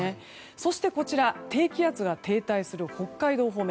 そして、低気圧が停滞する北海道方面。